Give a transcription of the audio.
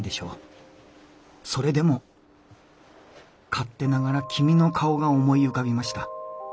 それでも勝手ながら君の顔が思い浮かびました」。